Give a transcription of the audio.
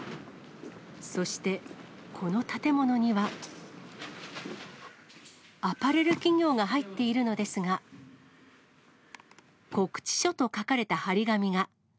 そして、この建物には。アパレル企業が入っているのですが、告知書と書かれた貼り紙が。